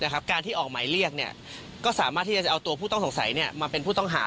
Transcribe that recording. การที่ออกหมายเรียกก็สามารถที่จะเอาตัวผู้ต้องสงสัยมาเป็นผู้ต้องหา